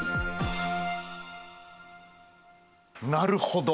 なるほど。